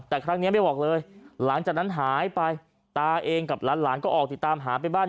แต่ครั้งนี้ไม่บอกเลยหลังจากนั้นหายไปตาเองกับหลานก็ออกติดตามหาไปบ้าน